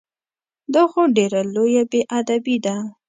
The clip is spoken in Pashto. دا خو ډېره لویه بې ادبي ده!